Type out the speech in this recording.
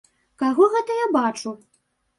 Каго гэта я бачу?